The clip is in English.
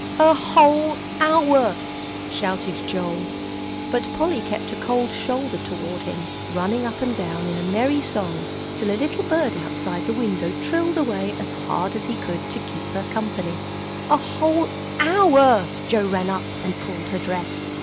"A whole hour," shouted Joel. But Polly kept a cold shoulder toward him, running up and down in a merry song till a little bird outside the window trilled away as hard as he could, to keep her company. "A whole hour " Joel ran up and pulled her dress.